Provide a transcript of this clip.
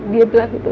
dia bilang begitu